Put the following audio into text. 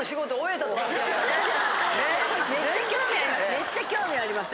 めっちゃ興味あります！